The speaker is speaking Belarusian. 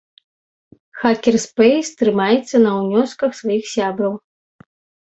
Хакерспэйс трымаецца на ўнёсках сваіх сябраў.